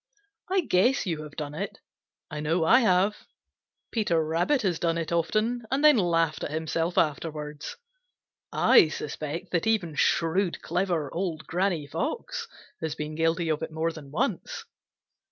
I guess you have done it. I know I have. Peter Rabbit has done it often and then laughed at himself afterwards. I suspect that even shrewd, clever old Granny Fox has been guilty of it more than once.